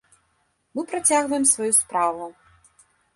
Мы працягваем сваю справу.